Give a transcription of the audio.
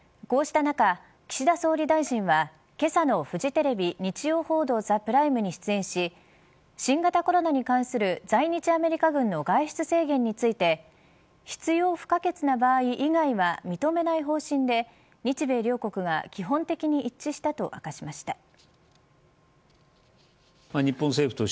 こうした中岸田総理大臣は、けさのフジテレビ日曜報道ＴＨＥＰＲＩＭＥに出演し新型コロナに関する在日アメリカ軍の外出制限について必要不可欠な場合以外は認めない方針で日米両国が基本的に一致したと明かしました。